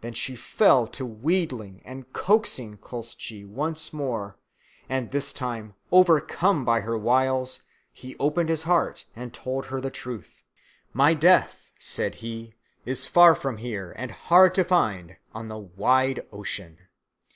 Then she fell to wheedling and coaxing Koshchei once more, and this time, overcome by her wiles, he opened his heart to her and told her the truth. "My death," said he, "is far from here and hard to find, on the wide ocean.